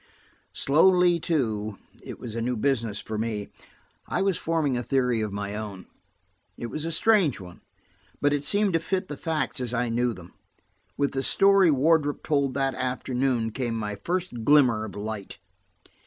Slowly, too–it was a new business for me–I was forming a theory of my own. It was a strange one, but it seemed to fit the facts as I knew them. With the story Wardrop told that afternoon came my first glimmer of light.